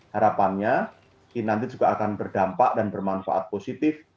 harapannya ini nanti juga akan berdampak dan bermanfaat positif